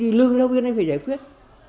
thì lương giáo viên này phải giải quyết